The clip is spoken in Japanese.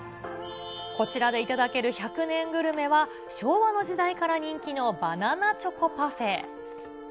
こちらで頂ける１００年グルメは、昭和の時代から人気のバナナチョコパフェ。